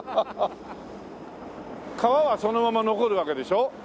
川はそのまま残るわけでしょ？